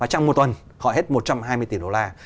trong một tuần họ hết một trăm hai mươi tỷ đô la